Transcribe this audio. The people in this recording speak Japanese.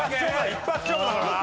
一発勝負だからな。